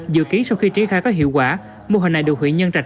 dự ký sau khi triết khai có hiệu quả mô hình này được huyện nhân trạch